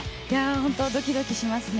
本当にドキドキしますね。